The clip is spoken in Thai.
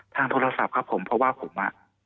ทางโทรศัพท์ครับผมเพราะว่าผมอ่ะ